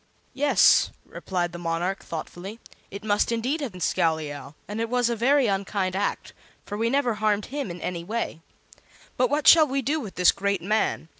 "Yes," replied the monarch, thoughtfully, "it must indeed have been Scowleyow; and it was a very unkind act, for we never harmed him in any way. But what shall we do with this great man?